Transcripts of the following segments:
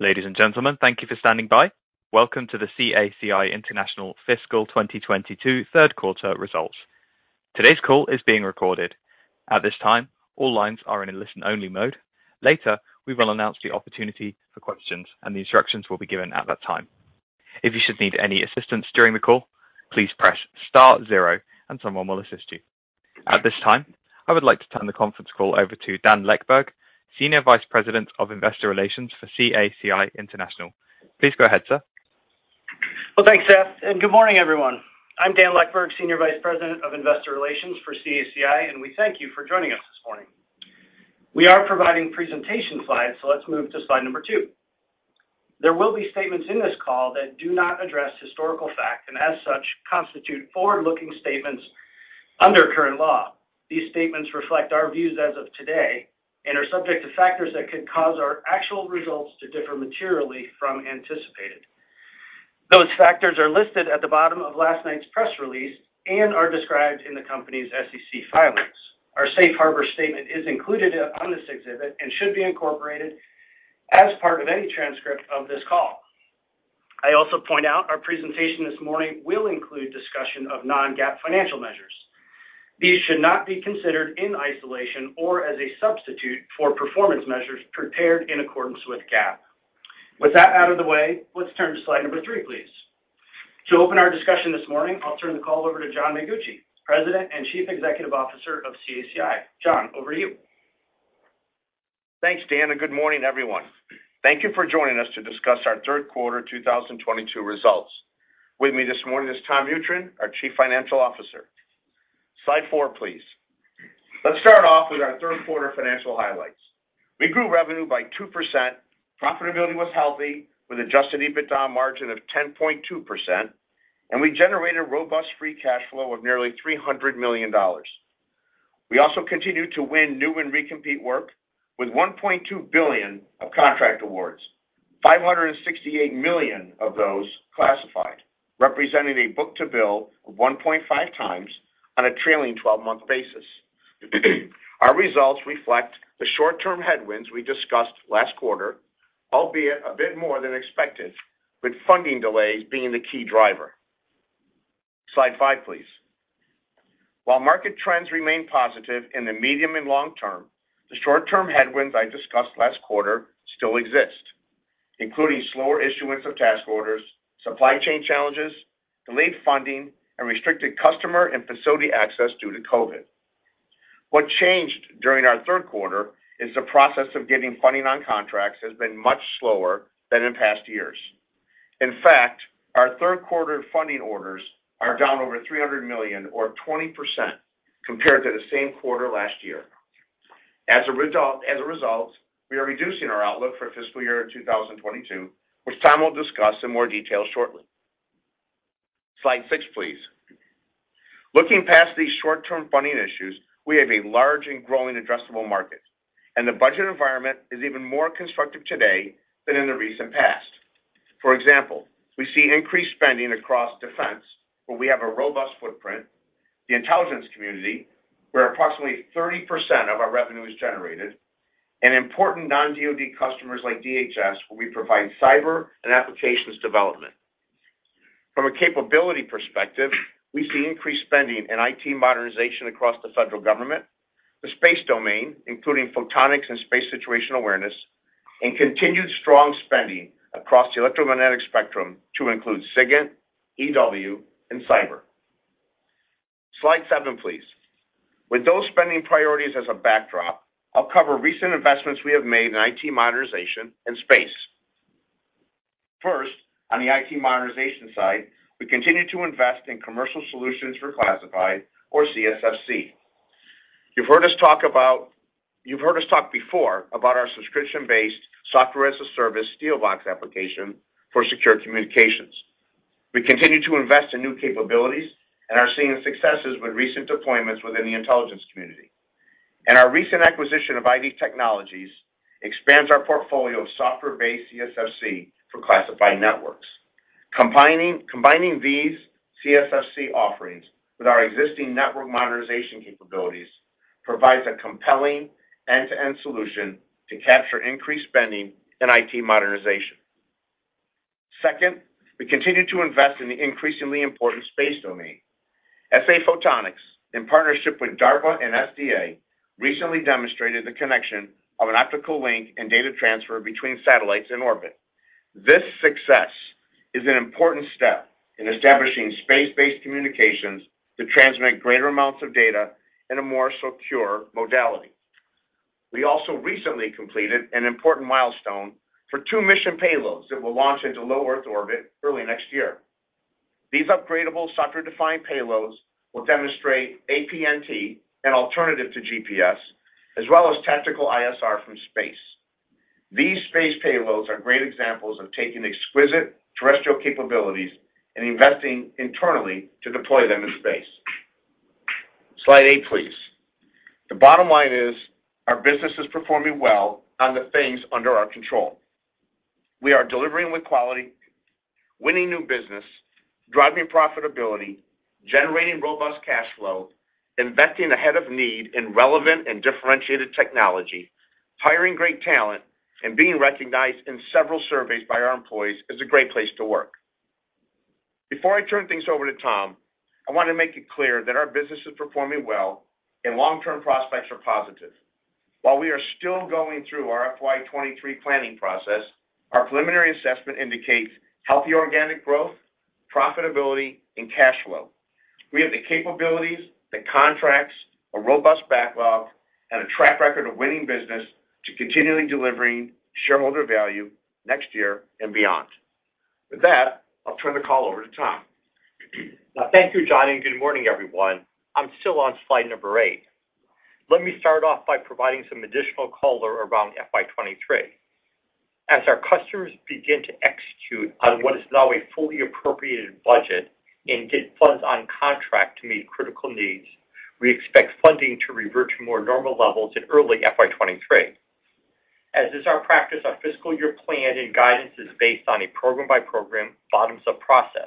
Ladies and gentlemen, thank you for standing by. Welcome to the CACI International Fiscal 2022 third quarter results. Today's call is being recorded. At this time, all lines are in a Listen-Only Mode. Later, we will announce the opportunity for questions, and the instructions will be given at that time. If you should need any assistance during the call, please press star zero and someone will assist you. At this time, I would like to turn the conference call over to Dan Leckburg, Senior Vice President of Investor Relations for CACI International. Please go ahead, sir. Well, thanks, Seth, and good morning, everyone. I'm Dan Leckburg, Senior Vice President of Investor Relations for CACI, and we thank you for joining us this morning. We are providing presentation Slides, so let's move to Slide number 2. There will be statements in this call that do not address historical fact, and as such, constitute Forward-Looking statements under current law. These statements reflect our views as of today and are subject to factors that could cause our actual results to differ materially from anticipated. Those factors are listed at the bottom of last night's press release and are described in the company's SEC filings. Our safe harbor statement is included on this exhibit and should be incorporated as part of any transcript of this call. I also point out our presentation this morning will include discussion of Non-GAAP financial measures. These should not be considered in isolation or as a substitute for performance measures prepared in accordance with GAAP. With that out of the way, let's turn to Slide number 3, please. To open our discussion this morning, I'll turn the call over to John Mengucci, President and Chief Executive Officer of CACI. John, over to you. Thanks, Dan, and good morning, everyone. Thank you for joining us to discuss our 1/3 1/4 2022 results. With me this morning is Tom Mutryn, our Chief Financial Officer. Slide 4, please. Let's start off with our 1/3 1/4 financial highlights. We grew revenue by 2%. Profitability was healthy with adjusted EBITDA margin of 10.2%, and we generated robust free cash flow of nearly $300 million. We also continued to win new and recompete work with $1.2 billion of contract awards. $568 million of those classified, representing a Book-To-Bill of 1.5 times on a trailing 12-Month basis. Our results reflect the Short-Term headwinds we discussed last 1/4, albeit a bit more than expected, with funding delays being the key driver. Slide 5, please. While market trends remain positive in the medium and long term, the Short-Term headwinds I discussed last 1/4 still exist, including slower issuance of task orders, supply chain challenges, delayed funding, and restricted customer and facility access due to COVID. What changed during our 1/3 1/4 is the process of getting funding on contracts has been much slower than in past years. In fact, our 1/3 1/4 funding orders are down over $300 million or 20% compared to the same 1/4 last year. As a result, we are reducing our outlook for fiscal year 2022, which Tom will discuss in more detail shortly. Slide 6, please. Looking past these Short-Term funding issues, we have a large and growing addressable market, and the budget environment is even more constructive today than in the recent past. For example, we see increased spending across defense, where we have a robust footprint, the intelligence community, where approximately 30% of our revenue is generated, and important Non-DoD customers like DHS, where we provide cyber and applications development. From a capability perspective, we see increased spending in IT modernization across the federal government, the space domain, including photonics and space situational awareness, and continued strong spending across the electromagnetic spectrum to include SIGINT, EW, and cyber. Slide 7, please. With those spending priorities as a backdrop, I'll cover recent investments we have made in IT modernization and space. First, on the IT modernization side, we continue to invest in commercial solutions for classified or CSfC. You've heard us talk before about our subscription-based software-as-a-service SteelBox application for secure communications. We continue to invest in new capabilities and are seeing successes with recent deployments within the intelligence community. Our recent acquisition of ID Technologies expands our portfolio of Software-Based CSFC for classified networks. Combining these CSFC offerings with our existing network modernization capabilities provides a compelling end-to-end solution to capture increased spending in IT modernization. Second, we continue to invest in the increasingly important space domain. SA Photonics, in partnership with DARPA and SDA, recently demonstrated the connection of an optical link and data transfer between satellites in orbit. This success is an important step in establishing Space-Based communications to transmit greater amounts of data in a more secure modality. We also recently completed an important milestone for 2 mission payloads that will launch into low Earth orbit early next year. These upgradable Software-Defined payloads will demonstrate APNT, an alternative to GPS, as well as tactical ISR from space. These space payloads are great examples of taking exquisite terrestrial capabilities and investing internally to deploy them in space. Slide 8, please. The bottom line is our business is performing well on the things under our control. We are delivering with quality. Winning new business, driving profitability, generating robust cash flow, investing ahead of need in relevant and differentiated technology, hiring great talent, and being recognized in several surveys by our employees as a great place to work. Before I turn things over to Tom, I want to make it clear that our business is performing well, and Long-Term prospects are positive. While we are still going through our FY 2023 planning process, our preliminary assessment indicates healthy organic growth, profitability, and cash flow. We have the capabilities, the contracts, a robust backlog, and a track record of winning business to continually delivering shareholder value next year and beyond. With that, I'll turn the call over to Tom. Now, thank you, John, and good morning, everyone. I'm still on Slide number 8. Let me start off by providing some additional color around FY 2023. As our customers begin to execute on what is now a fully appropriated budget and get funds on contract to meet critical needs, we expect funding to revert to more normal levels in early FY 2023. As is our practice, our fiscal year plan and guidance is based on a Program-By-Program bottoms-up process.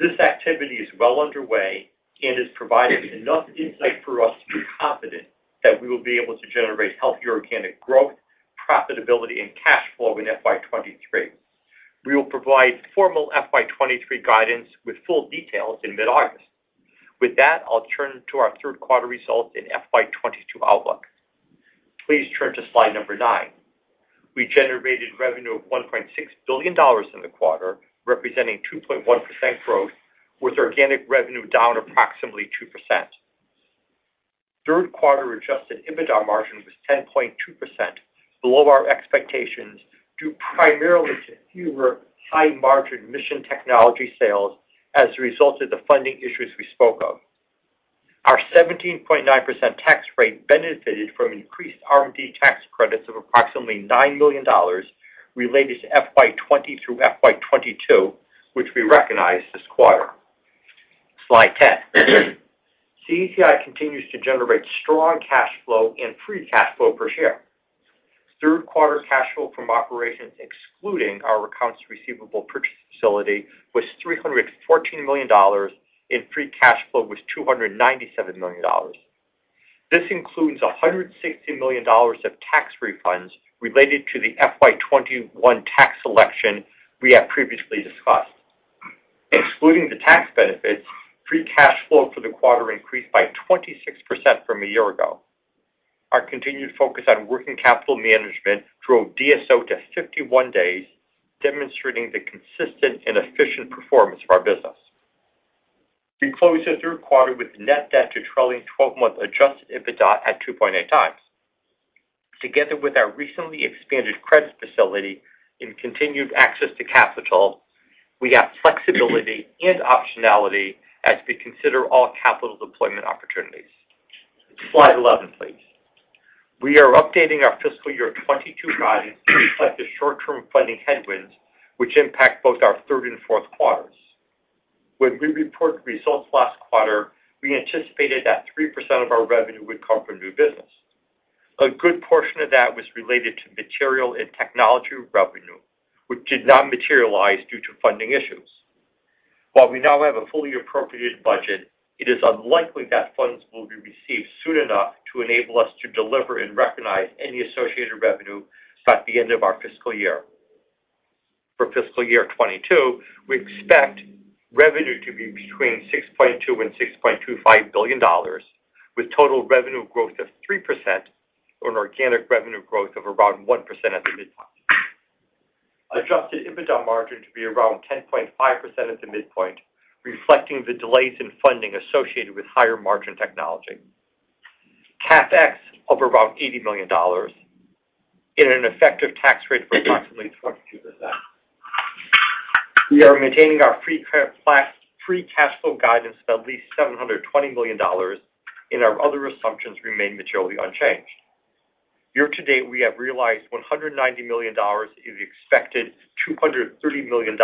This activity is well underway and has provided enough insight for us to be confident that we will be able to generate healthy organic growth, profitability, and cash flow in FY 2023. We will provide formal FY 2023 guidance with full details in Mid-August. With that, I'll turn to our 1/3 1/4 results and FY 2022 outlook. Please turn to Slide number 9. We generated revenue of $1.6 billion in the 1/4, representing 2.1% growth, with organic revenue down approximately 2%. Third 1/4 adjusted EBITDA margin was 10.2%, below our expectations, due primarily to fewer High-Margin mission technology sales as a result of the funding issues we spoke of. Our 17.9% tax rate benefited from increased R&D tax credits of approximately $9 million related to FY 2020 through FY 2022, which we recognized this 1/4. Slide 10. CACI continues to generate strong cash flow and free cash flow per share. Third 1/4 cash flow from operations, excluding our accounts receivable purchase facility, was $314 million, and free cash flow was $297 million. This includes $160 million of tax refunds related to the FY 2021 tax election we have previously discussed. Excluding the tax benefits, free cash flow for the 1/4 increased by 26% from a year ago. Our continued focus on working capital management drove DSO to 51 days, demonstrating the consistent and efficient performance of our business. We closed the 1/3 1/4 with net debt to trailing 12-Month adjusted EBITDA at 2.8 times. Together with our recently expanded credit facility and continued access to capital, we have flexibility and optionality as we consider all capital deployment opportunities. Slide 11, please. We are updating our fiscal year 2022 guidance to reflect the Short-Term funding headwinds which impact both our 1/3 and 4th quarters. When we reported results last 1/4, we anticipated that 3% of our revenue would come from new business. A good portion of that was related to material and technology revenue, which did not materialize due to funding issues. While we now have a fully appropriated budget, it is unlikely that funds will be received soon enough to enable us to deliver and recognize any associated revenue by the end of our fiscal year. For fiscal year 2022, we expect revenue to be between $6.2 billion and $6.25 billion, with total revenue growth of 3% on organic revenue growth of around 1% at the midpoint. Adjusted EBITDA margin to be around 10.5% at the midpoint, reflecting the delays in funding associated with higher-margin technology. CapEx of around $80 million and an effective tax rate of approximately 22%. We are maintaining our free cash flow guidance of at least $720 million, and our other assumptions remain materially unchanged. Year to date, we have realized $190 million of the expected $230 million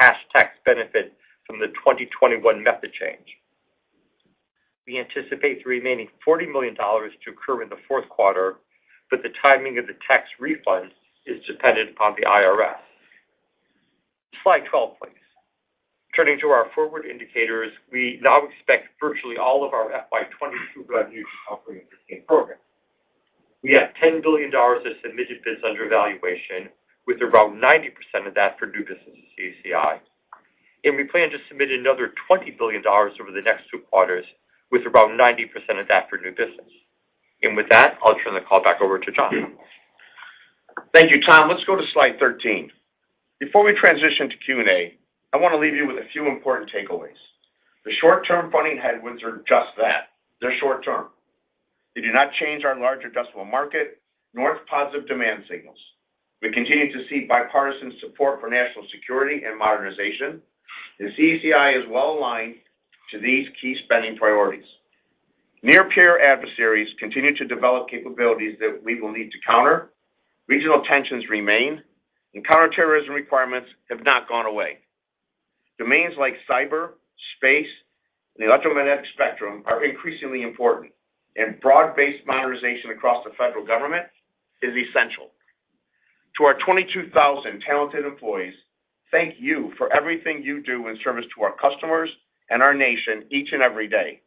cash tax benefit from the 2021 method change. We anticipate the remaining $40 million to occur in the 4th 1/4, but the timing of the tax refund is dependent upon the IRS. Slide 12, please. Turning to our forward indicators, we now expect virtually all of our FY 2022 revenue to come from existing programs. We have $10 billion of submitted bids under evaluation, with around 90% of that for new business at CACI, and we plan to submit another $20 billion over the next 2 quarters, with around 90% of that for new business. With that, I'll turn the call back over to John. Thank you, Tom. Let's go to Slide 13. Before we transition to Q&A, I want to leave you with a few important takeaways. The Short-Term funding headwinds are just that, they're Short-Term. They do not change our large addressable market, nor its positive demand signals. We continue to see bipartisan support for national security and modernization, and CACI is well-aligned to these key spending priorities. Near-peer adversaries continue to develop capabilities that we will need to counter, regional tensions remain, and counterterrorism requirements have not gone away. Domains like cyber, space, and the electromagnetic spectrum are increasingly important, and broad-based modernization across the federal government is essential. To our 22,000 talented employees, thank you for everything you do in service to our customers and our nation each and every day.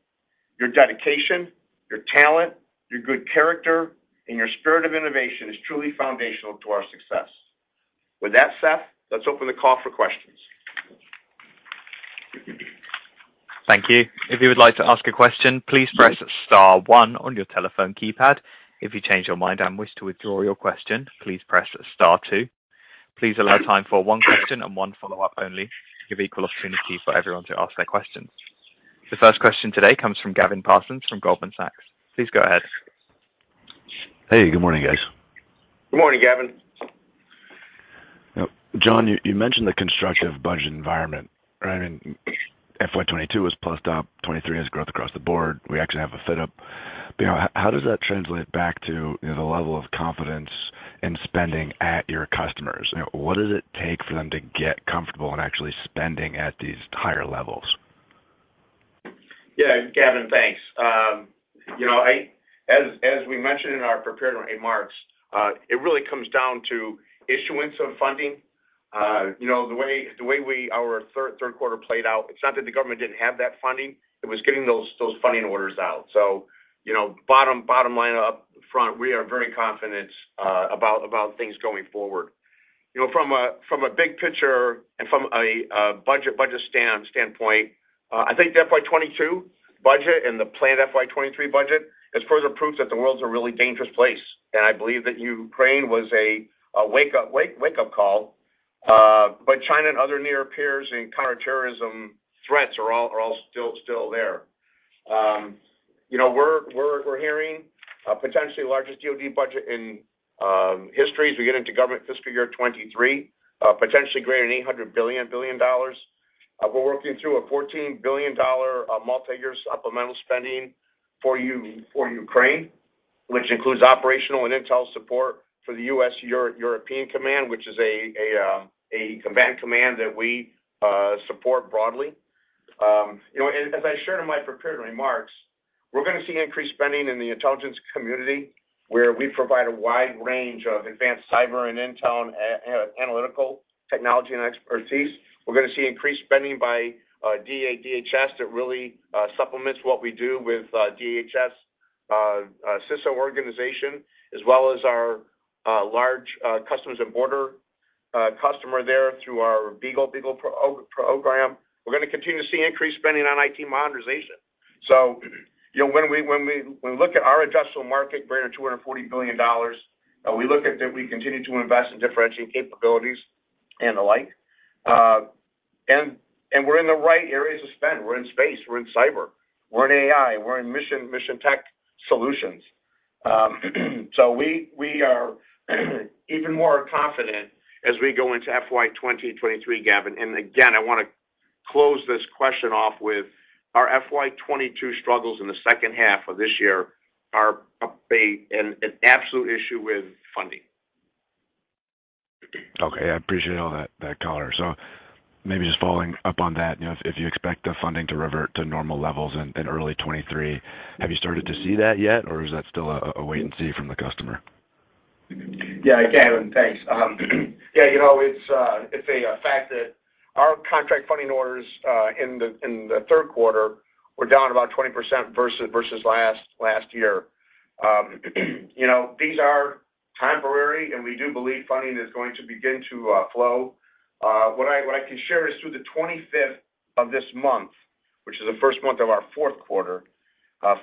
Your dedication, your talent, your good character, and your spirit of innovation is truly foundational to our success. With that said, let's open the call for questions. Thank you. If you would like to ask a question, please press star one on your telephone keypad. If you change your mind and wish to withdraw your question, please press star 2. Please allow time for one question and one Follow-Up only to give equal opportunity for everyone to ask their questions. The first question today comes from Gavin Parsons from Goldman Sachs. Please go ahead. Hey, good morning, guys. Good morning, Gavin. You know, John, you mentioned the constructive budget environment, right? I mean, FY 2022 was plused up. 2023 has growth across the board. We actually have an uptick. You know, how does that translate back to, you know, the level of confidence in spending at your customers? You know, what does it take for them to get comfortable in actually spending at these higher levels? Yeah, Gavin, thanks. You know, as we mentioned in our prepared remarks, it really comes down to issuance of funding. You know, the way our 1/3 1/4 played out, it's not that the government didn't have that funding. It was getting those funding orders out. You know, bottom line up front, we are very confident about things going forward. You know, from a big picture and from a budget standpoint, I think the FY 2022 budget and the planned FY 2023 budget is further proof that the world's a really dangerous place. I believe that Ukraine was a wake-up call. But China and other near peers and counterterrorism threats are all still there. You know, we're hearing a potentially largest DOD budget in history as we get into government fiscal year 2023, potentially greater than $800 billion. We're working through a $14 billion multiyear supplemental spending for Ukraine, which includes operational and intel support for the U.S. European Command, which is a combat command that we support broadly. You know, as I shared in my prepared remarks, we're gonna see increased spending in the intelligence community, where we provide a wide range of advanced cyber and intel analytical technology and expertise. We're gonna see increased spending by DHS that really supplements what we do with DHS, CISA organization, as well as our large Customs and Border Protection customer there through our Beagle program. We're gonna continue to see increased spending on IT modernization. When we look at our addressable market greater than $240 billion, we look at that we continue to invest in differentiating capabilities and the like. We're in the right areas to spend. We're in space. We're in cyber. We're in AI. We're in mission tech solutions. We are even more confident as we go into FY 2023, Gavin. Again, I wanna close this question off with our FY 2022 struggles in the second 1/2 of this year are an absolute issue with funding. Okay. I appreciate all that color. Maybe just following up on that, you know, if you expect the funding to revert to normal levels in early 2023, have you started to see that yet, or is that still a wait and see from the customer? Yeah, Gavin, thanks. Yeah, you know, it's a fact that our contract funding orders in the 1/3 1/4 were down about 20% versus last year. You know, these are temporary, and we do believe funding is going to begin to flow. What I can share is through the 25th of this month, which is the first month of our 4th 1/4,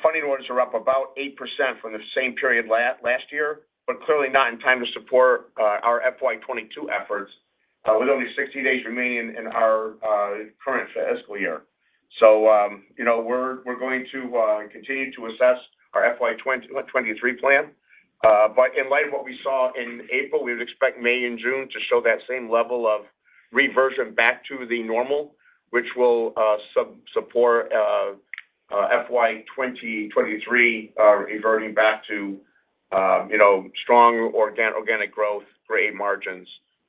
funding orders are up about 8% from the same period last year, but clearly not in time to support our FY 2022 efforts with only 60 days remaining in our current fiscal year. You know, we're going to continue to assess our FY 2023 plan. In light of what we saw in April, we would expect May and June to show that same level of reversion back to the normal, which will support FY 2023 reverting back to, you know, strong organic growth, great margins,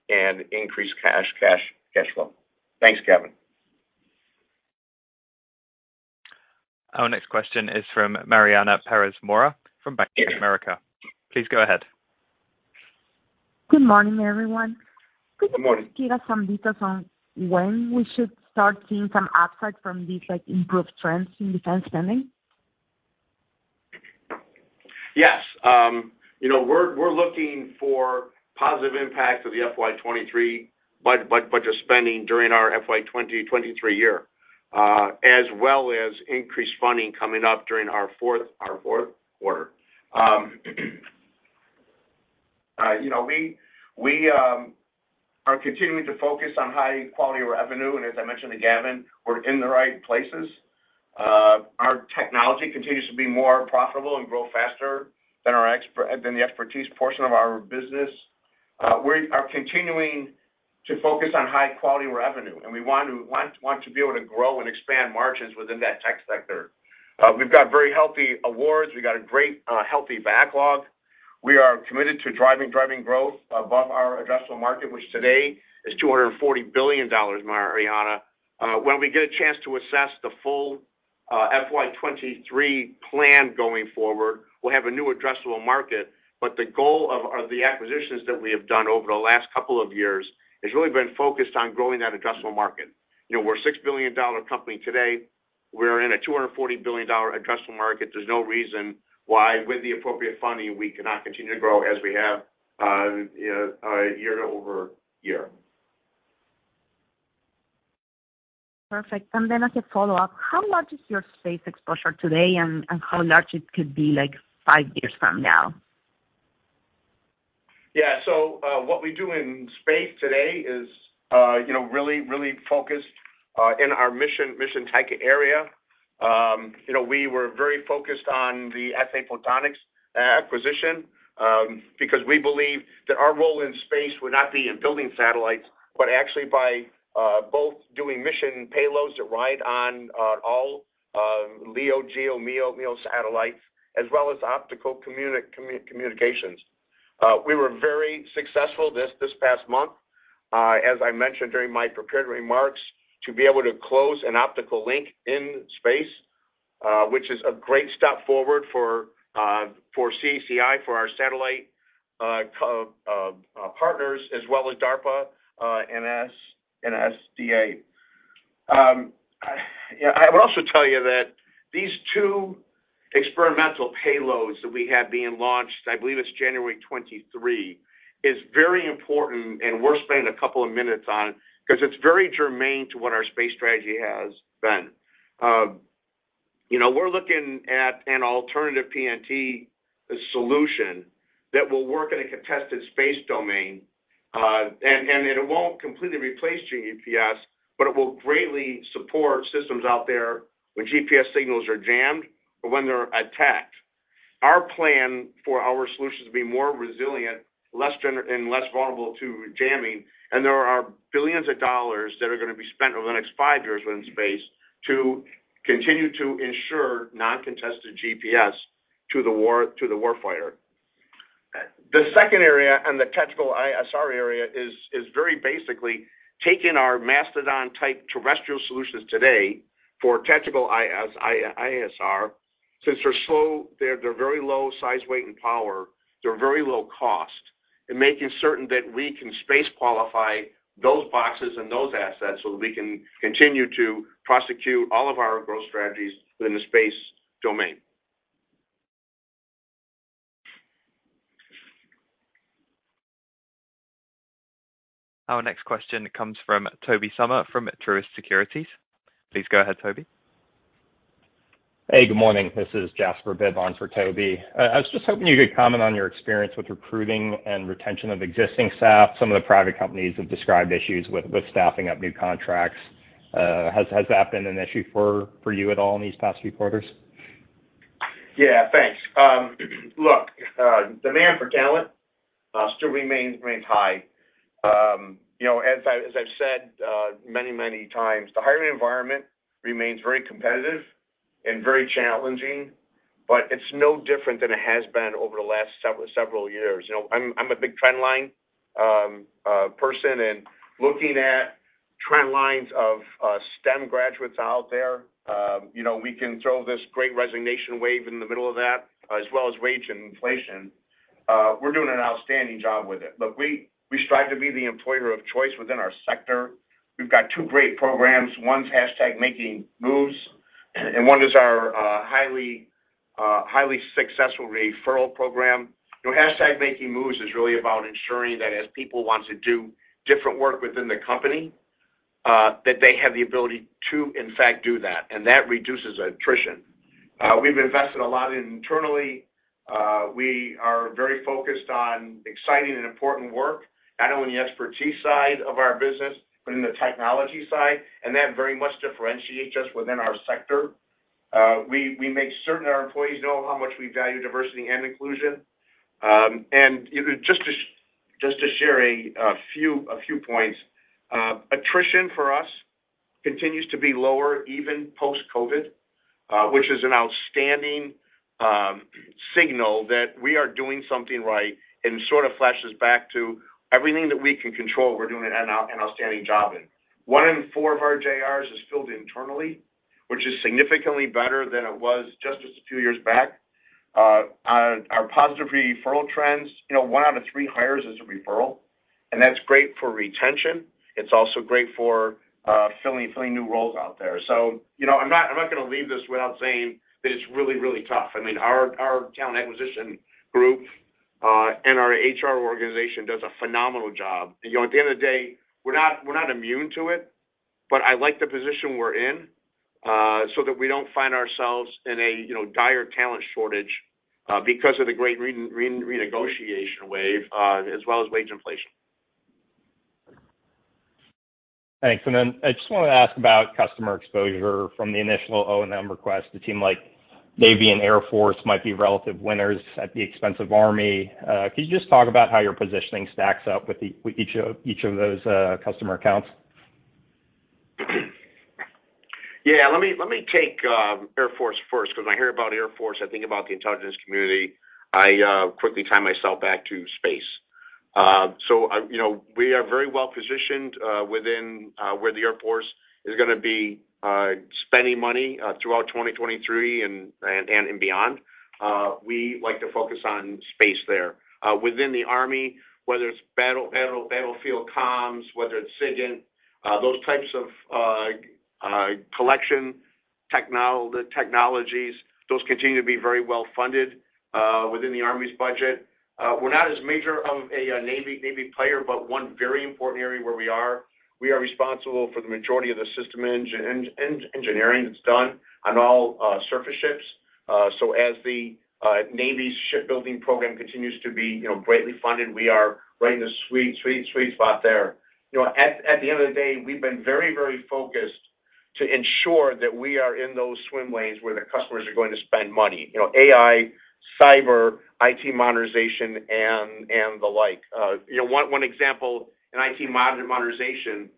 and increased cash flow. Thanks, Gavin. Our next question is from Mariana Perez Mora from Bank of America. Please go ahead. Good morning, everyone. Good morning. Could you just give us some details on when we should start seeing some upside from these, like, improved trends in defense spending? Yes. You know, we're looking for positive impacts of the FY 2023 budget spending during our 2023 year, as well as increased funding coming up during our 4th 1/4. You know, we are continuing to focus on high-quality revenue, and as I mentioned to Gavin, we're in the right places. Our technology continues to be more profitable and grow faster than the expertise portion of our business. We're continuing to focus on high-quality revenue, and we want to be able to grow and expand margins within that tech sector. We've got very healthy awards. We got a great healthy backlog. We are committed to driving growth above our addressable market, which today is $240 billion, Mariana. When we get a chance to assess the full FY 2023 plan going forward, we'll have a new addressable market. The goal of the acquisitions that we have done over the last couple of years has really been focused on growing that addressable market. You know, we're a $6 billion company today. We're in a $240 billion addressable market. There's no reason why, with the appropriate funding, we cannot continue to grow as we have, you know, year-over-year. Perfect. As a Follow-Up, how large is your space exposure today and how large it could be like 5 years from now? Yeah. What we do in space today is, you know, really focused in our mission type area. You know, we were very focused on the SA Photonics acquisition, because we believe that our role in space would not be in building satellites, but actually by both doing mission payloads that ride on all LEO, GEO, MEO satellites, as well as optical communications. We were very successful this past month, as I mentioned during my prepared remarks, to be able to close an optical link in space, which is a great step forward for CACI, for our satellite partners as well as DARPA, NASA, SDA. I will also tell you that these 2 experimental payloads that we have being launched, I believe it's January 2023, is very important, and we're spending a couple of minutes on it 'cause it's very germane to what our space strategy has been. You know, we're looking at an alternative PNT solution that will work in a contested space domain. It won't completely replace GPS, but it will greatly support systems out there when GPS signals are jammed or when they're attacked. Our plan for our solutions to be more resilient, and less vulnerable to jamming, and there are billions of dollars that are gonna be spent over the next 5 years within space to continue to ensure Non-contested GPS to the warfighter. The second area on the tactical ISR area is very basically taking our Mastodon-Type terrestrial solutions today for tactical ISR. Since they're very low size, weight, and power, they're very low cost and making certain that we can space qualify those boxes and those assets so that we can continue to prosecute all of our growth strategies within the space domain. Our next question comes from Tobey Sommer, from Truist Securities. Please go ahead, Toby. Hey, good morning. This is Jasper Bibb for Toby. I was just hoping you could comment on your experience with recruiting and retention of existing staff. Some of the private companies have described issues with staffing up new contracts. Has that been an issue for you at all in these past few quarters? Yeah, thanks. Look, demand for talent still remains high. You know, as I've said many times, the hiring environment remains very competitive and very challenging, but it's no different than it has been over the last several years. You know, I'm a big trendline person, and looking at trendlines of STEM graduates out there, you know, we can throw this great resignation wave in the middle of that, as well as wage and inflation. We're doing an outstanding job with it. Look, we strive to be the employer of choice within our sector. We've got 2 great programs. One's hashtag Making Moves, and one is our highly successful referral program. You know, hashtag Making Moves is really about ensuring that as people want to do different work within the company, that they have the ability to, in fact, do that, and that reduces attrition. We've invested a lot in internally. We are very focused on exciting and important work, not only on the expertise side of our business, but in the technology side, and that very much differentiates us within our sector. We make certain that our employees know how much we value diversity and inclusion. You know, just to share a few points, attrition for us continues to be lower, even post-COVID, which is an outstanding signal that we are doing something right and sort of flashes back to everything that we can control, we're doing an outstanding job in. 1 in 4 of our JRs is filled internally, which is significantly better than it was just a few years back. Our positive referral trends, you know, 1 out of 3 hires is a referral, and that's great for retention. It's also great for filling new roles out there. You know, I'm not gonna leave this without saying that it's really tough. I mean, our talent acquisition group and our HR organization does a phenomenal job. You know, at the end of the day, we're not immune to it, but I like the position we're in, so that we don't find ourselves in a dire talent shortage because of the great renegotiation wave, as well as wage inflation. Thanks. I just wanted to ask about customer exposure from the initial O&M request. It seemed like Navy and Air Force might be relative winners at the expense of Army. Could you just talk about how your positioning stacks up with each of those customer accounts? Yeah, let me take Air Force first because I hear about Air Force, I think about the intelligence community. I quickly tie myself back to space. You know, we are very Well-Positioned within where the Air Force is gonna be spending money throughout 2023 and beyond. We like to focus on space there. Within the Army, whether it's battlefield comms, whether it's SIGINT, those types of collection technologies, those continue to be very well funded within the Army's budget. We're not as major of a Navy player, but one very important area where we are responsible for the majority of the system engineering that's done on all surface ships. As the Navy's shipbuilding program continues to be, you know, greatly funded, we are right in the sweet spot there. You know, at the end of the day, we've been very focused to ensure that we are in those swim lanes where the customers are going to spend money. You know, AI, cyber, IT modernization, and the like. One example in IT modernization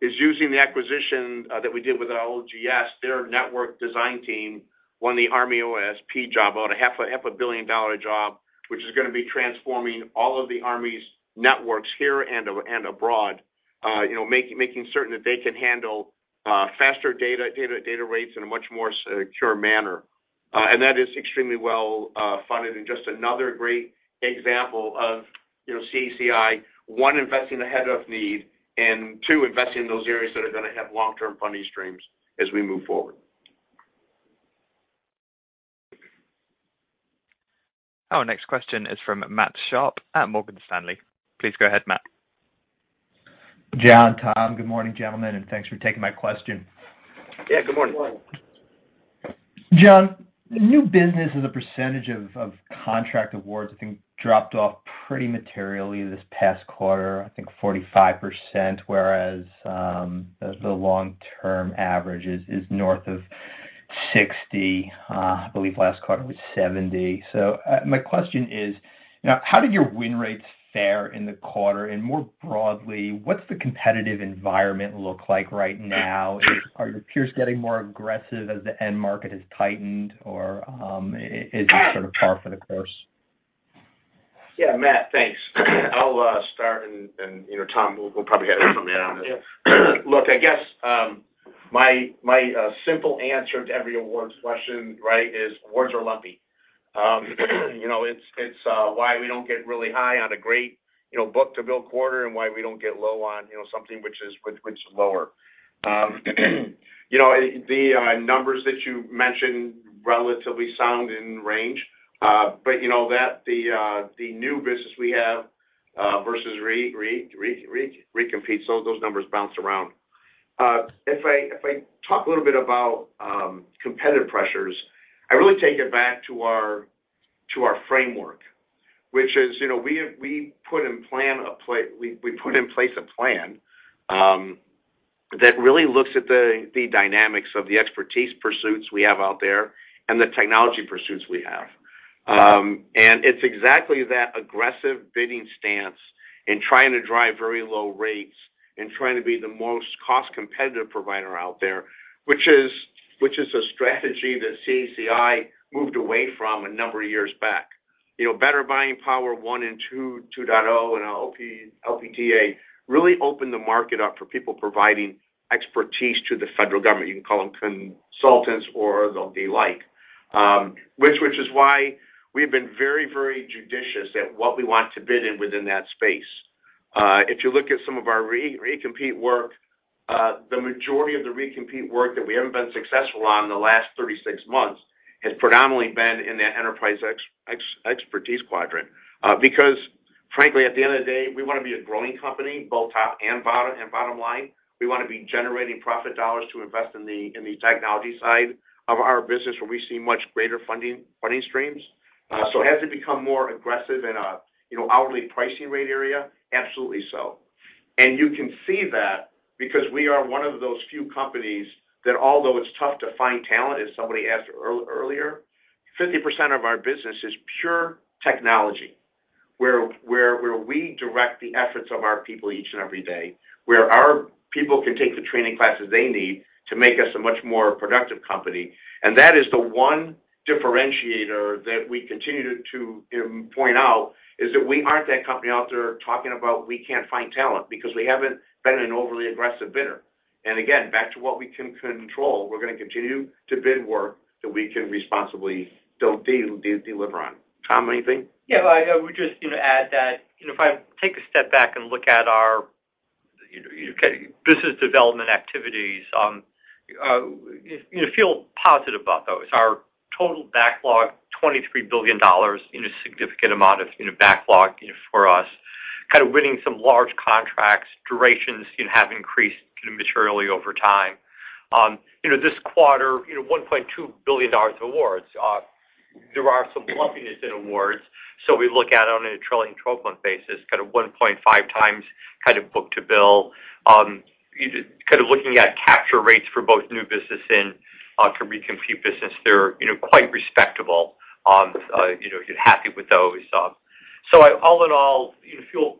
is using the acquisition that we did with LGS. Their network design team won the Army OSP job, about 1/2 a Billion-Dollar job, which is gonna be transforming all of the Army's networks here and abroad. You know, making certain that they can handle faster data rates in a much more secure manner. That is extremely well funded and just another great example of, you know, CACI, one, investing ahead of need, and 2, investing in those areas that are gonna have Long-Term funding streams as we move forward. Our next question is from Matt Sharpe at Morgan Stanley. Please go ahead, Matt. John, Tom, good morning, gentlemen, and thanks for taking my question. Yeah, good morning. Good morning. John, new business as a percentage of contract awards, I think dropped off pretty materially this past 1/4, I think 45%, whereas the Long-Term average is north of 60%. I believe last 1/4 was 70%. My question is, now how did your win rates fare in the 1/4, and more broadly, what's the competitive environment look like right now? Are your peers getting more aggressive as the end market has tightened or is this sort of par for the course? Yeah, Matt, thanks. I'll start and, you know, Tom, we'll probably get it from you on this. Yeah. Look, I guess, my simple answer to every awards question, right, is awards are lumpy. You know, it's why we don't get really high on a great, you know, Book-To-Bill 1/4, and why we don't get low on, you know, something which is lower. You know, the numbers that you mentioned relatively sound in range. But you know that the new business we have versus recompete, so those numbers bounce around. If I talk a little bit about competitive pressures, I really take it back to our framework. Which is, you know, we put in place a plan that really looks at the dynamics of the expertise pursuits we have out there and the technology pursuits we have. It's exactly that aggressive bidding stance in trying to drive very low rates and trying to be the most cost-competitive provider out there, which is a strategy that CACI moved away from a number of years back. You know, Better Buying Power 1 and 2.0 and LPTA really opened the market up for people providing expertise to the federal government. You can call them consultants or the like. Which is why we've been very judicious at what we want to bid in within that space. If you look at some of our recompete work, the majority of the recompete work that we haven't been successful on in the last 36 months has predominantly been in that enterprise expertise quadrant. Because frankly, at the end of the day, we wanna be a growing company, both top and bottom, and bottom line. We wanna be generating profit dollars to invest in the technology side of our business where we see much greater funding streams. Has it become more aggressive in a, you know, hourly pricing rate area? Absolutely so. You can see that because we are one of those few companies that although it's tough to find talent, as somebody asked earlier, 50% of our business is pure technology, where we direct the efforts of our people each and every day, where our people can take the training classes they need to make us a much more productive company. That is the one differentiator that we continue to point out is that we aren't that company out there talking about we can't find talent because we haven't been an overly aggressive bidder. Again, back to what we can control, we're gonna continue to bid work that we can responsibly deliver on. Tom, anything? Yeah, I would just, you know, add that, you know, if I take a step back and look at our, you know, business development activities, we feel positive about those. Our total backlog $23 billion is a significant amount of, you know, backlog, you know, for us, kind of winning some large contracts, durations, you know, have increased materially over time. This 1/4, you know, $1.2 billion awards. There are some lumpiness in awards. We look at it on a trailing 12-Month basis, kind of 1.5 times kind of Book-To-Bill. Kind of looking at capture rates for both new business and to recompete business, they're, you know, quite respectable. You know, happy with those. All in all, we feel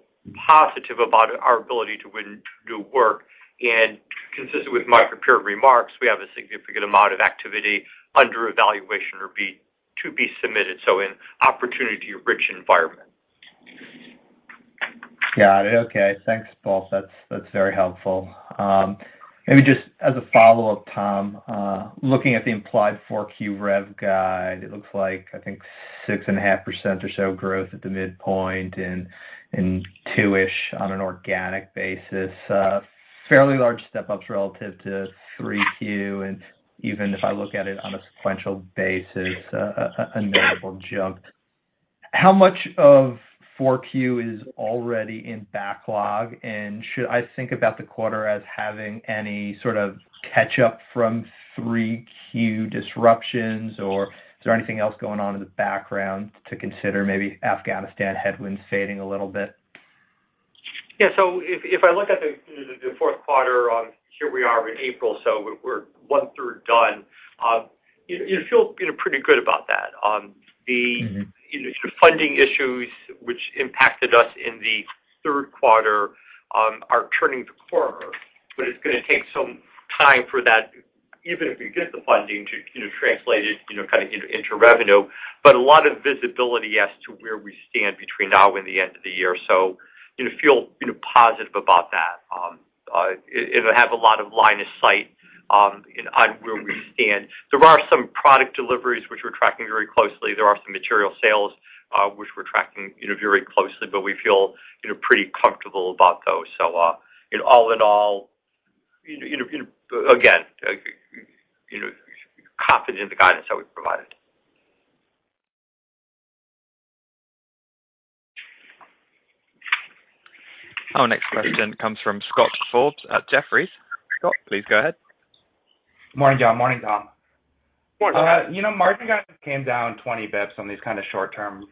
positive about our ability to win, to do work. Consistent with my prepared remarks, we have a significant amount of activity under evaluation or to be submitted, so an opportunity-rich environment. Got it. Okay. Thanks, both. That's very helpful. Maybe just as a Follow-Up, Tom, looking at the implied 4Q rev guide, it looks like, I think 6.5% or so growth at the midpoint and 2-ish on an organic basis. Fairly large step-ups relative to 3Q. Even if I look at it on a sequential basis, a notable jump. How much of 4Q is already in backlog? Should I think about the 1/4 as having any sort of catch up from 3Q disruptions, or is there anything else going on in the background to consider maybe Afghanistan headwinds fading a little bit? Yeah. If I look at the 4th 1/4. Here we are in April, so we're one-third done. You feel, you know, pretty good about that. Mm-hmm. You know, sort of funding issues which impacted us in the 1/3 1/4 are turning the corner, but it's gonna take some time for that, even if we get the funding to, you know, translate it, you know, kind of into revenue. A lot of visibility as to where we stand between now and the end of the year. You know, we feel positive about that. We have a lot of line of sight on where we stand. There are some product deliveries which we're tracking very closely. There are some material sales which we're tracking, you know, very closely, but we feel, you know, pretty comfortable about those. You know, all in all, you know, again, you know, confident in the guidance that we've provided. Our next question comes from Scott Forbes at Jefferies. Scott, please go ahead. Morning, John. Morning, Tom. Morning. You know, margin guidance came down 20 basis points on these kind of Short-Term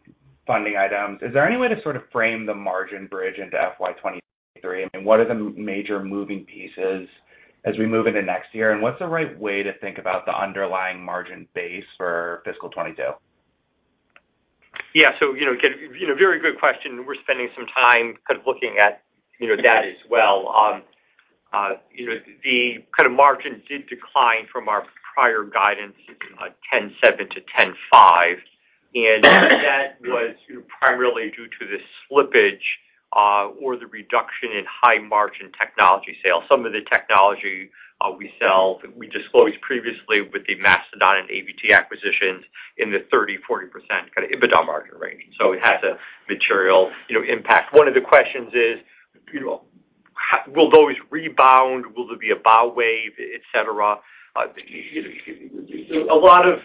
funding items. Is there any way to sort of frame the margin bridge into FY 2023, and what are the major moving pieces as we move into next year? What's the right way to think about the underlying margin base for fiscal 2022? Yeah, you know, again, you know, very good question. We're spending some time kind of looking at, you know, that as well. You know, the kind of margin did decline from our prior guidance, 10.7%-10.5%. That was primarily due to the slippage, or the reduction in High-Margin technology sales. Some of the technology we sell, we disclosed previously with the Mastodon and AVT acquisitions in the 30%-40% kind of EBITDA margin range. So it has a material, you know, impact. One of the questions is, you know, how will those rebound? Will there be a bow wave, et cetera? You know, a lot of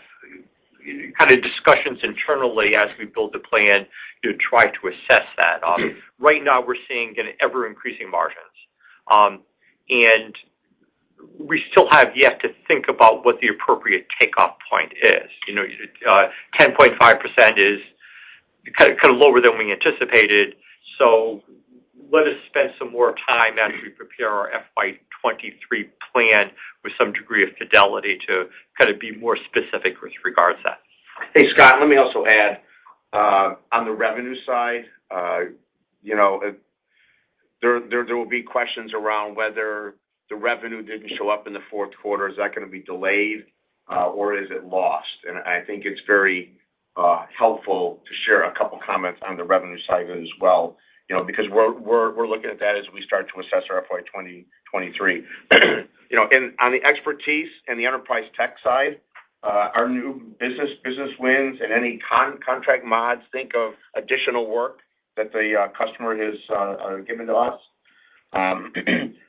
kind of discussions internally as we build the plan to try to assess that. Right now we're seeing an ever-increasing margins. We still have yet to think about what the appropriate takeoff point is. You know, 10.5% is kind of lower than we anticipated. Let us spend some more time as we prepare our FY 2023 plan with some degree of fidelity to kind of be more specific with regards to that. Hey, Scott, let me also add, on the revenue side, you know, there will be questions around whether the revenue didn't show up in the 4th 1/4. Is that gonna be delayed, or is it lost? I think it's very helpful to share a couple comments on the revenue side as well, you know, because we're looking at that as we start to assess our FY 2023. You know, on the expertise and the enterprise tech side, our new business wins and any contract mods, think of additional work that the customer has given to us.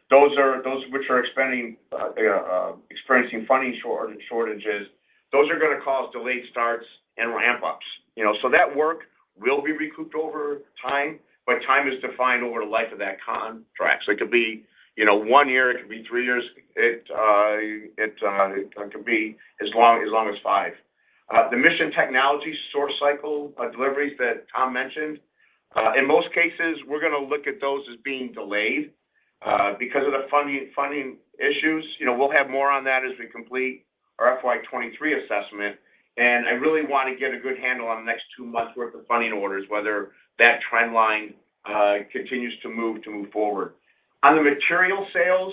Those which are experiencing funding shortages are gonna cause delayed starts and ramp ups, you know. That work will be recouped over time, but time is defined over the life of that contract. It could be, you know, one year, it could be 3 years. It could be as long as 5. The mission technology source cycle deliveries that Tom mentioned, in most cases, we're gonna look at those as being delayed because of the funding issues. You know, we'll have more on that as we complete our FY 2023 assessment, and I really wanna get a good handle on the next 2 months worth of funding orders, whether that trend line continues to move forward. On the material sales,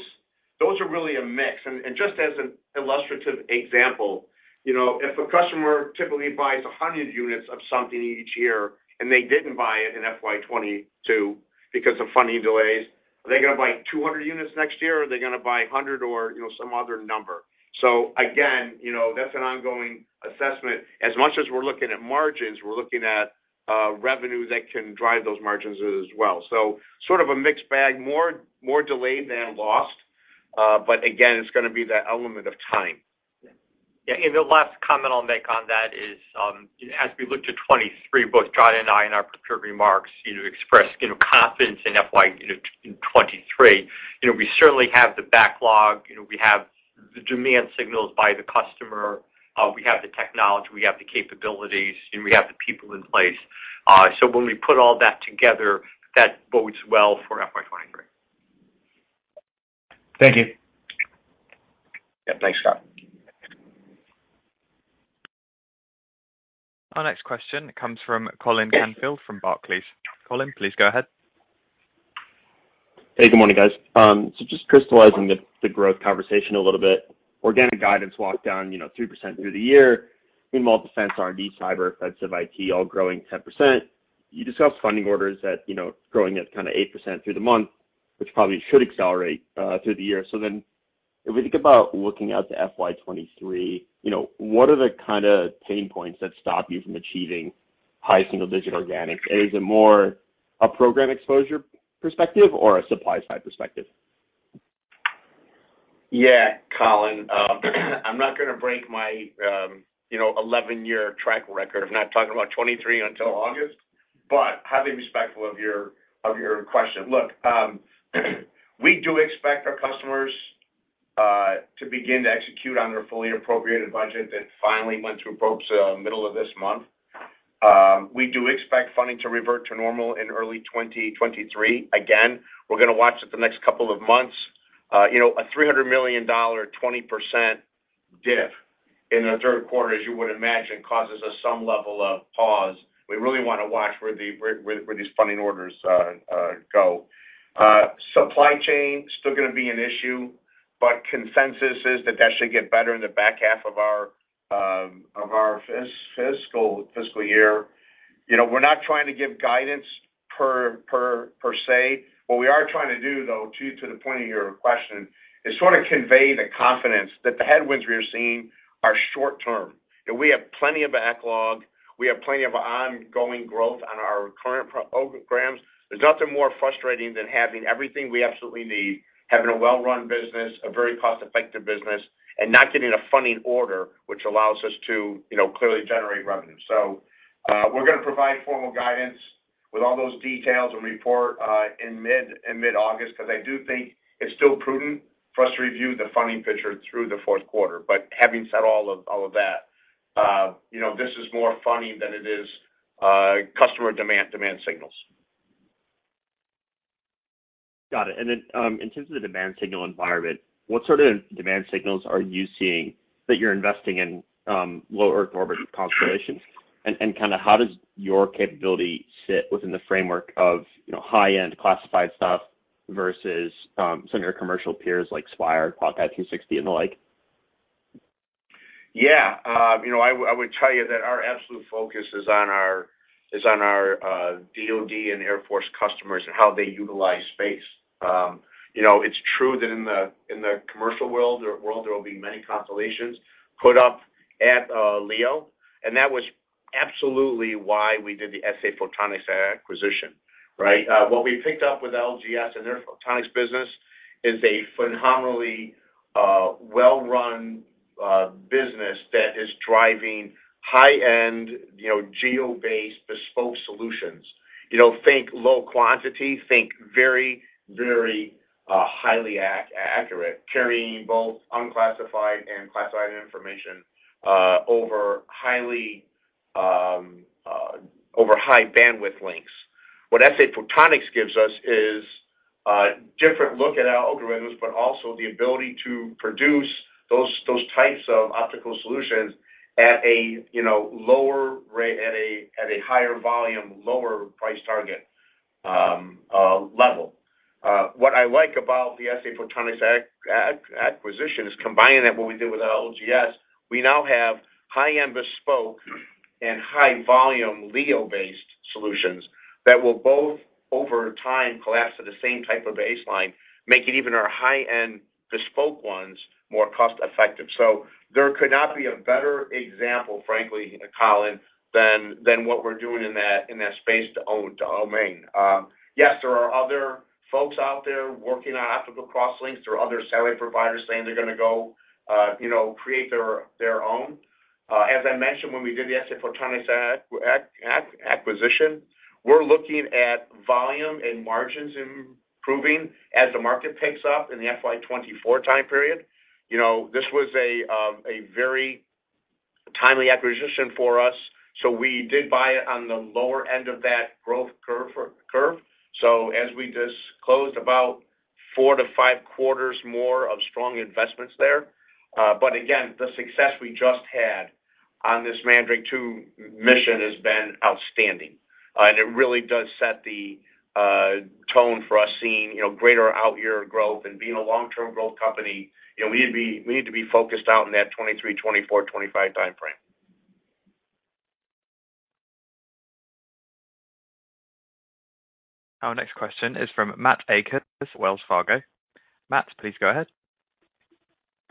those are really a mix. Just as an illustrative example, you know, if a customer typically buys 100 units of something each year and they didn't buy it in FY 2022 because of funding delays, are they gonna buy 200 units next year, or are they gonna buy 100 or, you know, some other number? Again, you know, that's an ongoing assessment. As much as we're looking at margins, we're looking at revenue that can drive those margins as well. Sort of a mixed bag, more delayed than lost. But again, it's gonna be that element of time. Yeah. The last comment I'll make on that is, as we look to 2023, both John and I, in our prepared remarks, you know, expressed, you know, confidence in FY 2023. You know, we certainly have the backlog. You know, we have the demand signals by the customer. We have the technology, we have the capabilities, and we have the people in place. So when we put all that together, that bodes well for FY. Thank you. Yeah, thanks, Scott. Our next question comes from Colin Canfield from Barclays. Colin, please go ahead. Hey, good morning, guys. Just crystallizing the growth conversation a little bit. Organic guidance walked down, you know, 3% through the year in multi-sensor R&D, cyber, offensive IT, all growing 10%. You discussed funding orders that, you know, growing at kind of 8% through the month, which probably should accelerate through the year. If we think about looking out to FY 2023, you know, what are the kind of pain points that stop you from achieving high single-digit organic? Is it more a program exposure perspective or a supply side perspective? Yeah, Colin, I'm not gonna break my you know, 11-year track record of not talking about 2023 until August, but highly respectful of your question. Look, we do expect our customers to begin to execute on their fully appropriated budget that finally went through, folks, middle of this month. We do expect funding to revert to normal in early 2023. Again, we're gonna watch it the next couple of months. You know, a $300 million, 20% dip in the 1/3 1/4, as you would imagine, causes us some level of pause. We really wanna watch where these funding orders go. Supply chain still gonna be an issue, but consensus is that that should get better in the back 1/2 of our fiscal year. You know, we're not trying to give guidance per se. What we are trying to do, though, to the point of your question, is sort of convey the confidence that the headwinds we are seeing are Short-Term. You know, we have plenty of backlog. We have plenty of ongoing growth on our current programs. There's nothing more frustrating than having everything we absolutely need, having a well-run business, a very cost-effective business, and not getting a funding order, which allows us to, you know, clearly generate revenue. We're gonna provide formal guidance with all those details and report in mid-August, 'cause I do think it's still prudent for us to review the funding picture through the 4th 1/4. Having said all of that, you know, this is more funding than it is customer demand signals. Got it. In terms of the demand signal environment, what sort of demand signals are you seeing that you're investing in low Earth orbit constellations? Kinda how does your capability sit within the framework of, you know, high-end classified stuff versus some of your commercial peers like Spire, HawkEye 360 and the like? Yeah. You know, I would tell you that our absolute focus is on our DoD and Air Force customers and how they utilize space. You know, it's true that in the commercial world there will be many constellations put up at LEO, and that was absolutely why we did the SA Photonics acquisition, right? What we picked up with LGS and their photonics business is a phenomenally well-run business that is driving high-end, you know, GEO-based bespoke solutions. You know, think low quantity. Think very highly accurate, carrying both unclassified and classified information over high bandwidth links. What SA Photonics gives us is a different look at our algorithms, but also the ability to produce those types of optical solutions at a, you know, higher volume, lower price target level. What I like about the SA Photonics acquisition is combining it with what we did with LGS. We now have high-end bespoke and high volume LEO-based solutions that will both, over time, collapse at the same type of baseline, making even our high-end bespoke ones more cost-effective. There could not be a better example, frankly, Colin, than what we're doing in that space domain. Yes, there are other folks out there working on optical cross links. There are other satellite providers saying they're gonna go, you know, create their own. As I mentioned, when we did the SA Photonics acquisition, we're looking at volume and margins improving as the market picks up in the FY 2024 time period. You know, this was a very timely acquisition for us, so we did buy it on the lower end of that growth curve. As we just closed about 4-5 quarters more of strong investments there. But again, the success we just had on this Mandrake II mission has been outstanding. And it really does set the tone for us seeing, you know, greater out year growth and being a Long-Term growth company. You know, we need to be focused out in that 2023, 2024, 2025 timeframe. Our next question is from Matt Akers, Wells Fargo. Matt, please go ahead.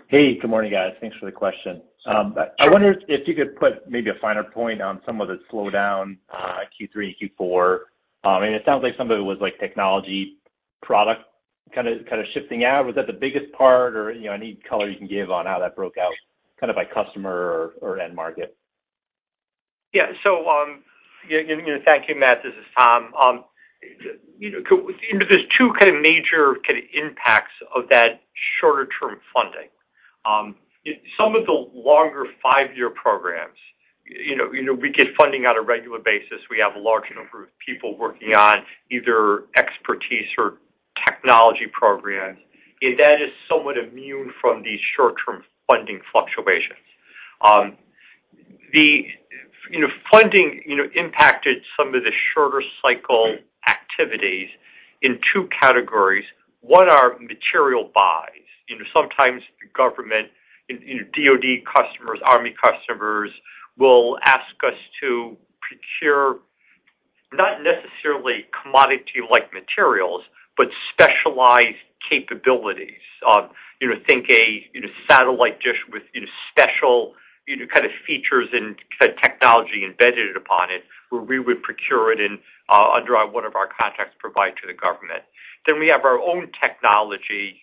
Hey, good morning, guys. Thanks for the question. I wonder if you could put maybe a finer point on some of the slowdown, Q3 and Q4. It sounds like some of it was like technology product kinda shifting out. Was that the biggest part or, you know, any color you can give on how that broke out, kind of by customer or end market? Yeah, you know, thank you, Matt. This is Tom. You know, there are 2 kind of major kind of impacts of that shorter term funding. Some of the longer 5-year programs. You know, we get funding on a regular basis. We have a large number of people working on either expertise or technology programs. That is somewhat immune from these Short-Term funding fluctuations. The funding, you know, impacted some of the shorter cycle activities in 2 categories. One are material buys. You know, sometimes the government, DoD customers, Army customers, will ask us to procure, not necessarily commodity-like materials, but specialized capabilities. You know, think of a satellite dish with special kind of features and technology embedded upon it, where we would procure it and under one of our contracts provide to the government. We have our own technology.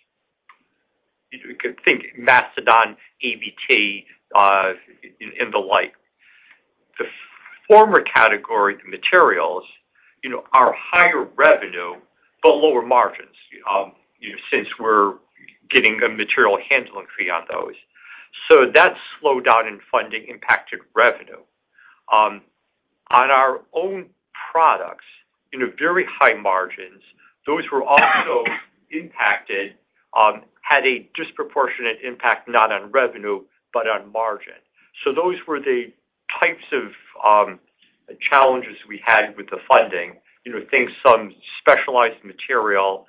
You could think Mastodon, ABT, and the like. The former category, the materials, you know, are higher revenue, but lower margins, since we're getting a material handling fee on those. That slowdown in funding impacted revenue. On our own products, you know, very high margins, those were also impacted, had a disproportionate impact, not on revenue, but on margin. Those were the types of challenges we had with the funding. You know, think some specialized material,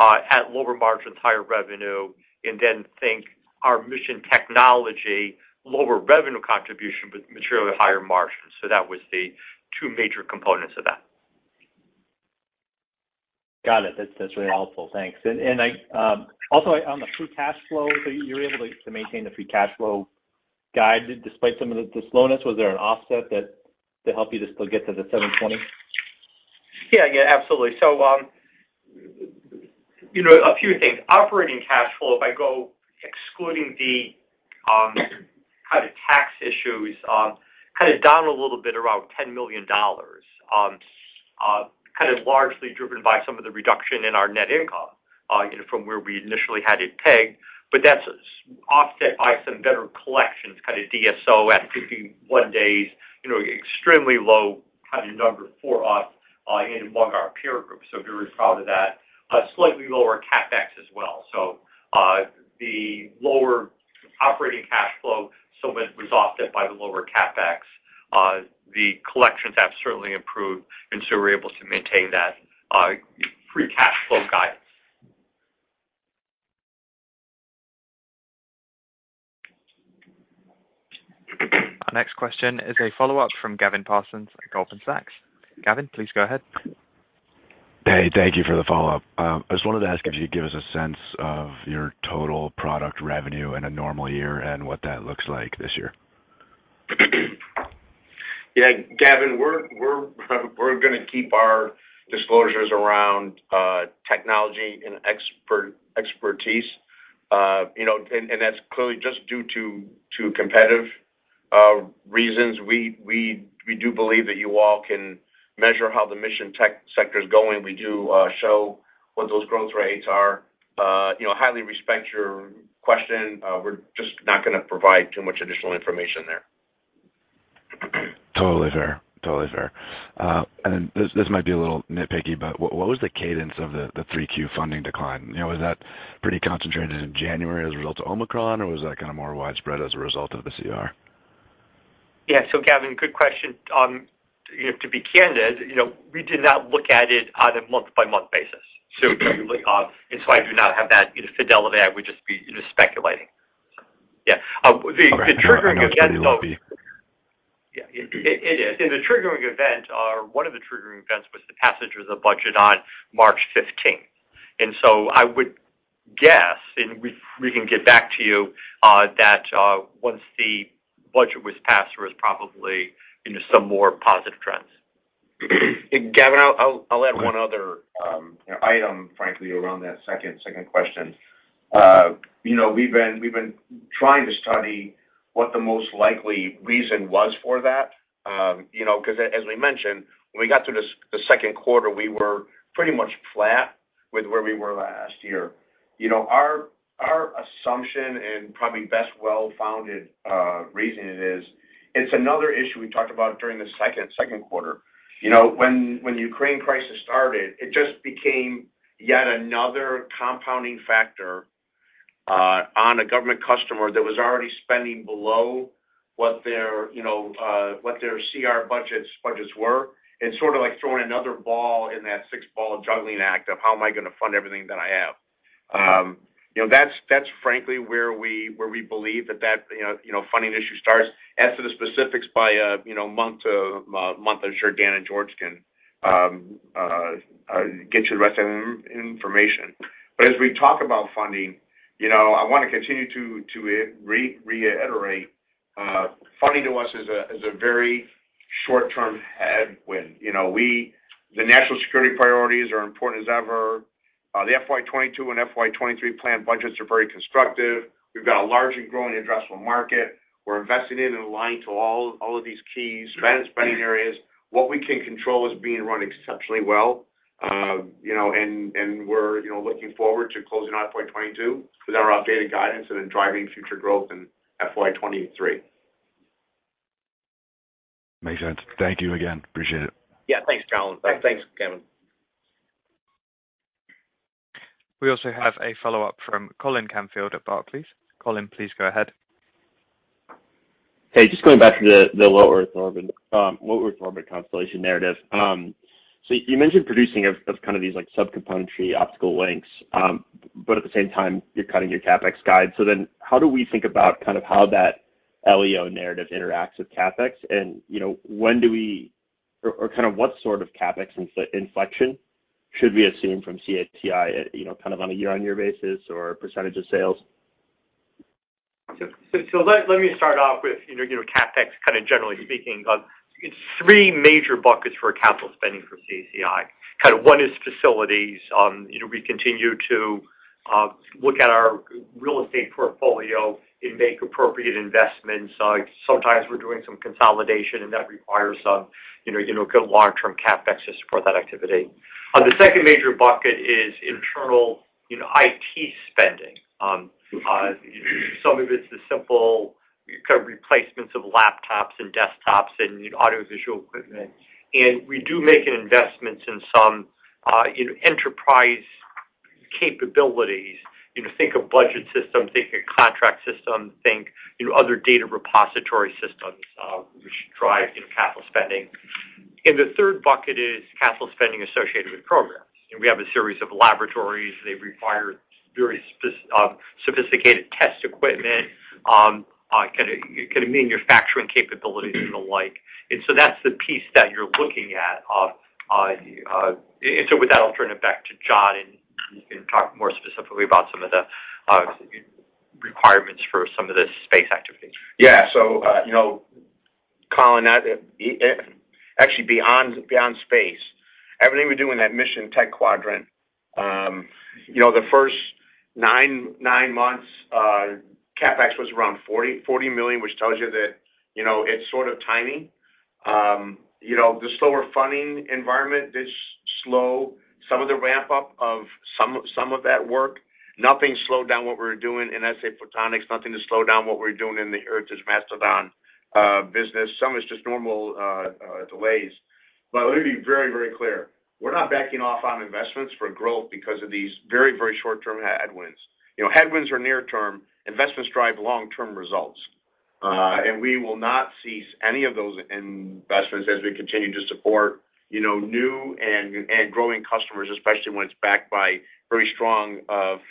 at lower margins, higher revenue, and then think our mission technology, lower revenue contribution, but materially higher margins. That was the 2 major components of that. Got it. That's really helpful. Thanks. I also on the free cash flow, so you were able to maintain the free cash flow guide despite some of the slowness. Was there an offset that to help you still get to the $720? Yeah. Yeah, absolutely. You know, a few things. Operating cash flow, if I go excluding the, kind of tax issues, kind of down a little bit, around $10 million, kind of largely driven by some of the reduction in our net income, you know, from where we initially had it pegged. That's offset by some better collections, kind of DSO at 51 days, you know, extremely low kind of number for us, and among our peer group. Very proud of that. A slightly lower CapEx as well. The lower operating cash flow, somewhat was offset by the lower CapEx. The collections have certainly improved, and so we're able to maintain that, free cash flow guidance. Our next question is a Follow-Up from Gavin Parsons at Goldman Sachs. Gavin, please go ahead. Hey, thank you for the Follow-Up. I just wanted to ask if you could give us a sense of your total product revenue in a normal year and what that looks like this year. Yeah, Gavin, we're gonna keep our disclosures around technology and expertise, you know, and that's clearly just due to competitive reasons. We do believe that you all can measure how the mission tech sector is going. We do show what those growth rates are. You know, I highly respect your question. We're just not gonna provide too much additional information there. Totally fair. This might be a little nitpicky, but what was the cadence of the 3Q funding decline? You know, was that pretty concentrated in January as a result of Omicron, or was that kind of more widespread as a result of the CR? Yeah. Gavin, good question. You know, to be candid, you know, we did not look at it on a month-by-month basis. I do not have that, you know, fidelity. I would just be, you know, speculating. Yeah. The triggering event, though. Okay. No, I know it's pretty lofty. Yeah, it is. The triggering event or one of the triggering events was the passage of the budget on March fifteenth. I would guess, and we can get back to you, that once the budget was passed, there was probably, you know, some more positive trends. Gavin, I'll add one other item, frankly, around that second question. You know, we've been trying to study what the most likely reason was for that, you know, 'cause as we mentioned, when we got through the second 1/4, we were pretty much flat with where we were last year. You know, our assumption and probably best well-founded reasoning is, it's another issue we talked about during the second 1/4. You know, when the Ukraine crisis started, it just became yet another compounding factor on a government customer that was already spending below what their, you know, what their CR budgets were, and sort of like throwing another ball in that 6 ball juggling act of how am I gonna fund everything that I have. You know, that's frankly where we believe that, you know, funding issue starts. As to the specifics by, you know, month to month, I'm sure Dan and George can get you the rest of the information. As we talk about funding, you know, I wanna continue to reiterate, funding to us is a very short term headwind. You know, the national security priorities are important as ever. The FY 2022 and FY 2023 planned budgets are very constructive. We've got a large and growing addressable market. We're investing in and aligned to all of these key spending areas. What we can control is being run exceptionally well. We're looking forward to closing out 2022 with our updated guidance and then driving future growth in FY 2023. Makes sense. Thank you again. Appreciate it. Yeah, thanks, Colin Canfield. Thanks, Gavin Parsons. We also have a Follow-Up from Colin Canfield at Barclays. Colin, please go ahead. Hey, just going back to the low earth orbit constellation narrative. So you mentioned production of kind of these like subcomponentry optical links. But at the same time, you're cutting your CapEx guide. How do we think about kind of how that LEO narrative interacts with CapEx and, you know, when do we or kind of what sort of CapEx inflection should we assume from CACI, you know, kind of on a year-on-year basis or percentage of sales? Let me start off with, you know, CapEx kind of generally speaking. It's 3 major buckets for capital spending for CACI. Kind of one is facilities. You know, we continue to look at our real estate portfolio and make appropriate investments. Sometimes we're doing some consolidation, and that requires some, you know, good Long-Term CapEx to support that activity. The second major bucket is internal, you know, IT spending. Some of it's the simple kind of replacements of laptops and desktops and audio visual equipment. We do make investments in some, you know, enterprise capabilities. You know, think of budget systems, think of contract systems, think, you know, other data repository systems, which drive, you know, capital spending. The 1/3 bucket is capital spending associated with programs. You know, we have a series of laboratories. They require very sophisticated test equipment, can mean manufacturing capabilities and the like. That's the piece that you're looking at. With that, I'll turn it back to John and talk more specifically about some of the requirements for some of the space activities. Yeah. You know, Colin, actually beyond space, everything we do in that mission tech quadrant, you know, the first 9 months, CapEx was around $40 million, which tells you that, you know, it's sort of tiny. You know, the slower funding environment did slow some of the ramp up of some of that work. Nothing slowed down what we're doing in SA Photonics, nothing to slow down what we're doing in the Mastodon business. Some is just normal delays. Let me be very, very clear. We're not backing off on investments for growth because of these very, very Short-Term headwinds. You know, headwinds are near-term. Investments drive Long-Term results. And we will not cease any of those investments as we continue to support, you know, new and growing customers, especially when it's backed by very strong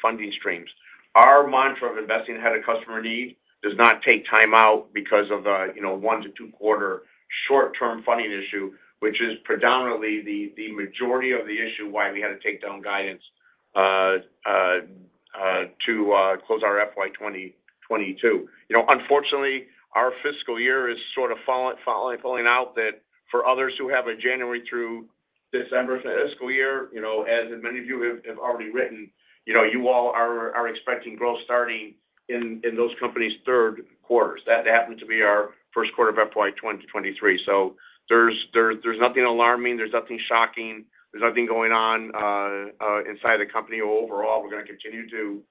funding streams. Our mantra of investing ahead of customer need does not take time out because of a, you know, one- to 2-1/4 Short-Term funding issue, which is predominantly the majority of the issue why we had to take down guidance to close our FY 2022. You know, unfortunately, our fiscal year is sort of falling out that for others who have a January through December fiscal year, you know, as many of you have already written, you know, you all are expecting growth starting in those companies' 1/3 quarters. That happened to be our first 1/4 of FY 2023. There's nothing alarming. There's nothing shocking. There's nothing going on inside the company overall. We're gonna continue to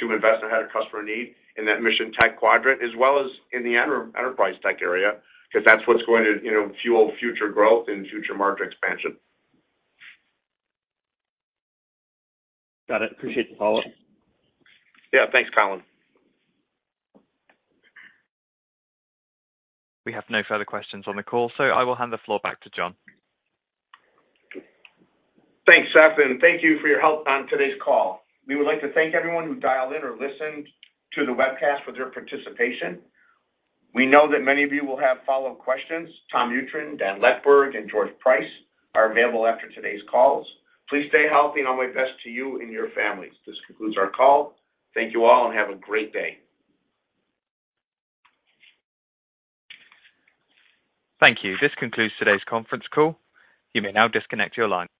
invest ahead of customer need in that mission tech quadrant as well as in the enterprise tech area, 'cause that's what's going to, you know, fuel future growth and future margin expansion. Got it. Appreciate the Follow-Up. Yeah. Thanks, Colin. We have no further questions on the call, so I will hand the floor back to John. Thanks, Seth, and thank you for your help on today's call. We would like to thank everyone who dialed in or listened to the webcast for their participation. We know that many of you will have follow questions. Tom Mutryn, Dan Leckburg, and George Price are available after today's calls. Please stay healthy, and all my best to you and your families. This concludes our call. Thank you all, and have a great day. Thank you. This concludes today's conference call. You may now disconnect your line.